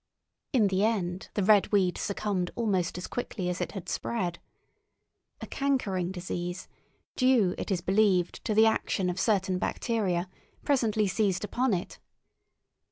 In the end the red weed succumbed almost as quickly as it had spread. A cankering disease, due, it is believed, to the action of certain bacteria, presently seized upon it.